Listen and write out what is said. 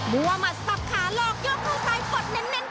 มัวหมัดสับขาหลอกยอกข้างซ้ายกดเน้น